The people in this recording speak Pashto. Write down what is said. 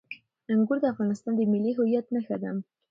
انګور د افغانستان د ملي هویت نښه ده.